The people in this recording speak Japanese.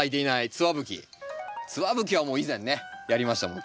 ツワブキはもう以前ねやりましたもん